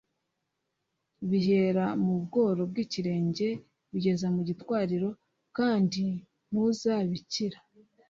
bihere mu bworo bw'ikirenge bigeze mu gitwariro, kandi ntuzabikira